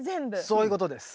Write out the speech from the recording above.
そういうことです。